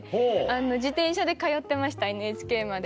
自転車で通ってましたＮＨＫまで。